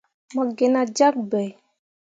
Mo gi nah jyak bai.